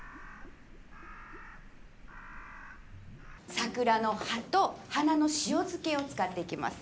桜の葉と花の塩漬けを使っていきます。